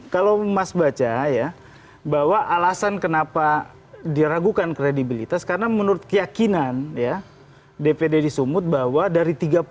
kalau mas baca ya bahwa alasan kenapa diragukan kredibilitas karena menurut keyakinan ya dpd di sumut bahwa dari tiga puluh